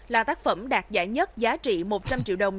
là tác phẩm đạt giải nhất giá trị một trăm linh triệu đồng